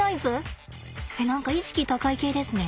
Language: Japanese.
えっ何か意識高い系ですね。